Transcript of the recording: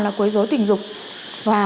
là quy dối tình dục và